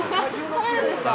食べるんですか！？